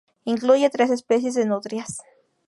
Incluye tres especies de nutrias.